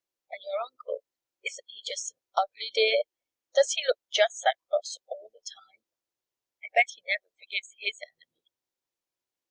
And your uncle isn't he just an ugly dear? Does he look just that cross all the time? I bet he never forgives his Enemy!"